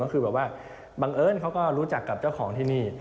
ก็คือแบบว่าบังเอิญเขาก็รู้จักกับเจ้าของที่นี่